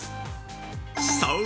◆そう！